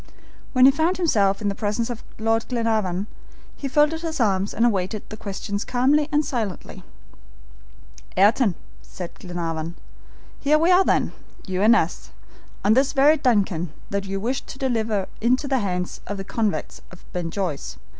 When he found himself in the presence of Lord Glenarvan he folded his arms and awaited the questions calmly and silently. "Ayrton," said Glenarvan, "here we are then, you and us, on this very DUNCAN that you wished to deliver into the hands of the convicts of Ben Joyce."